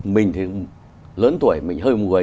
mình thì lớn tuổi mình hơi mùi